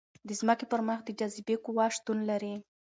د ځمکې پر مخ د جاذبې قوه شتون لري.